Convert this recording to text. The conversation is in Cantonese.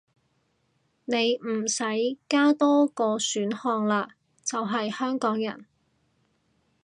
你唔使加多個選項喇，就係香港人